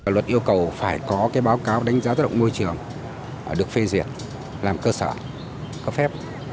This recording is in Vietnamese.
luật yêu cầu phải có báo cáo đánh giá tất động môi trường được phê diệt làm cơ sở có phép